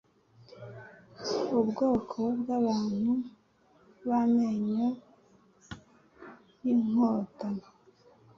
ubwoko bw’abantu b’amenyo y’inkota